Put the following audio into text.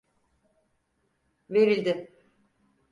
Verildi.